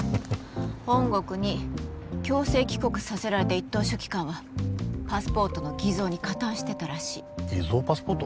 本国に強制帰国させられた一等書記官はパスポートの偽造に加担してたらしい偽造パスポート？